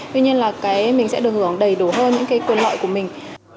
tuy nhiên là cái mình sẽ được ngưỡng đầy đủ hơn những cái quyền loại của mình